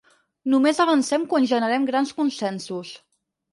Només avancem quan generem grans consensos